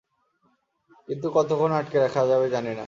কিন্তু কতক্ষণ আটকে রাখা যাবে, জানি না।